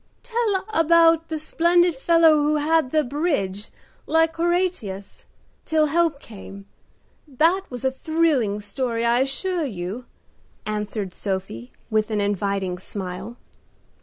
"Tell about the splendid fellow who held the bridge, like Horatius, till help came up. That was a thrilling story, I assure you," answered Sophie, with an inviting smile.